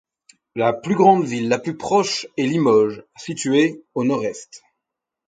La plus grande ville la plus proche est Limoges, située à au nord-est.